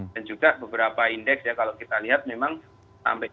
dan juga beberapa indeks ya kalau kita lihat memang sampai